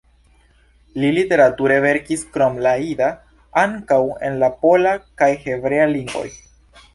Li literature verkis krom la jida ankaŭ en la pola kaj hebrea lingvoj.